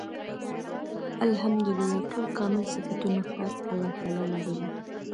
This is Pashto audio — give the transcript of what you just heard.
الحمد لله . ټول کامل صفتونه خاص الله تعالی لره دی